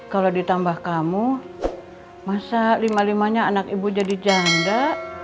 kalau ditambah kamu masa lima limanya anak ibu jadi janda